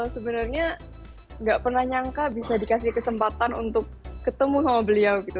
sebenarnya nggak pernah nyangka bisa dikasih kesempatan untuk ketemu sama beliau gitu